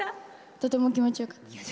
とても気持ちよかったです。